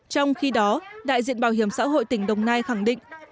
trong khi đó đại diện bảo hiểm xã hội tỉnh đồng nai khẳng định